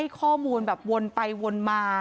นี่นะคะคือจับไปได้แล้วสาม